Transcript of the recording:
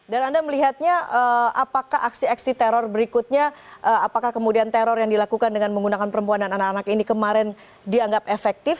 dan anda melihatnya apakah aksi aksi teror berikutnya apakah kemudian teror yang dilakukan dengan menggunakan perempuan dan anak anak ini kemarin dianggap efektif